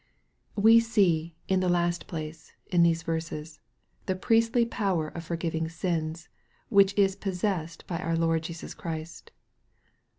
We see, in the last place, in these verses, the priestly power of forgiving sins, which & possessed by our Lord Jesus Christ.